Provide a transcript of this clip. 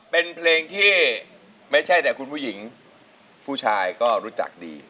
เป็นเพลงที่ไม่ใช่แต่คุณผู้หญิงผู้ชายก็รู้จักดี